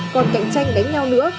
còn cạnh tranh đánh nhau nữa